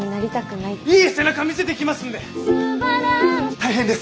大変です！